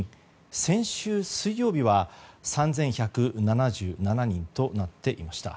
先週水曜日は３１７７人となっていました。